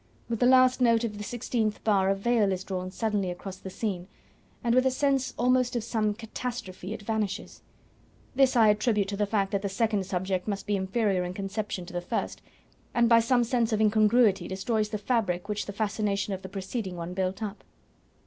With the last note of the sixteenth bar a veil is drawn suddenly across the scene, and with a sense almost of some catastrophe it vanishes. This I attribute to the fact that the second subject must be inferior in conception to the first, and by some sense of incongruity destroys the fabric which the fascination of the preceding one built up."